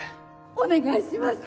お願いします！